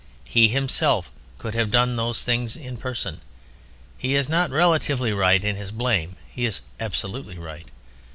He himself could have done those things in person. He is not relatively right in his blame, he is absolutely right.